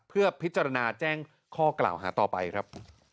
เพื่อพิจารณาแจ้งข้อกล่าวหาต่อไปครับ